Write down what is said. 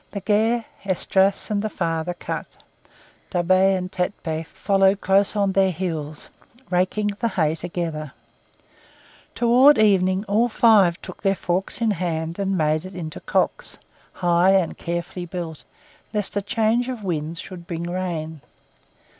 Legare, Esdras and the father cut; Da'Be and Tit'Bé followed close on their heels, raking the hay together. Toward evening all five took their forks in hand and made it into cocks, high and carefully built, lest a change of wind should bring rain.